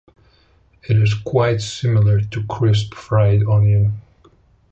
It is quite similar to crisp fried onion.